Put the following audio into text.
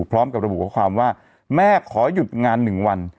พร้อมกับระบุข้อความว่าแม่ขอหยุดงาน๑วัน